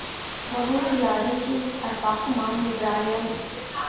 Nebūtu jārēķinās ar papu, mammu un brāļiem.